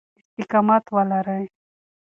استقامت ولرئ.